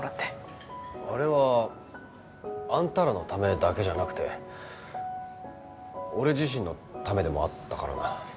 あれはあんたらのためだけじゃなくて俺自身のためでもあったからな。